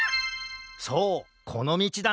そうこのみちだね！